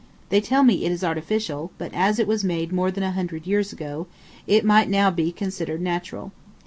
They tell me it is artificial, but as it was made more than a hundred years ago, it might now be considered natural.